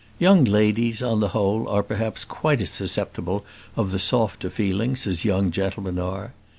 Young ladies, on the whole, are perhaps quite as susceptible of the softer feelings as young gentlemen are.